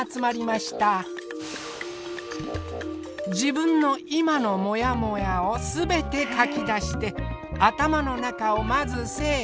自分の今のもやもやを全て書き出して頭の中をまず整理。